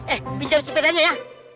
eh pinjam sepedanya ya